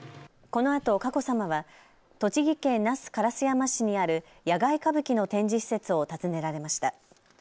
このあと佳子さまは栃木県那須烏山市にある野外歌舞伎の展示施設を訪ねられました。